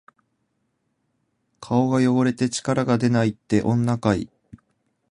顔が汚れて力がでないって、女かい！